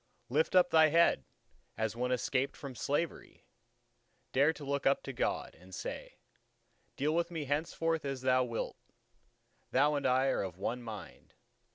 Lift up thy head, as one escaped from slavery; dare to look up to God, and say:—"Deal with me henceforth as Thou wilt; Thou and I are of one mind.